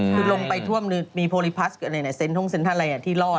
คือลงไปท่วมมีโพลิพัสหรืออะไรที่รอด